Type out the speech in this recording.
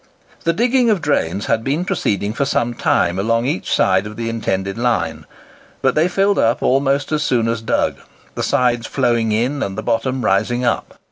The digging of drains had been proceeding for some time along each side of the intended line; but they filled up almost as soon as dug, the sides flowing in, and the bottom rising up.